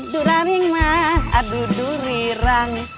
duraring mak adudurirang